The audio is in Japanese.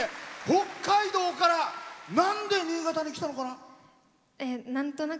北海道からなんで新潟に来たのかな？